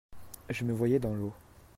je me voyais dans l'eau.